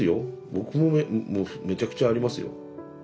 僕ももうめちゃくちゃありますよ。